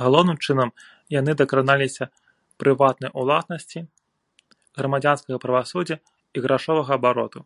Галоўным чынам яны дакраналіся прыватнай уласнасці, грамадзянскага правасуддзя і грашовага абароту.